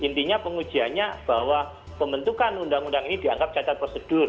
intinya pengujiannya bahwa pembentukan undang undang ini dianggap cacat prosedur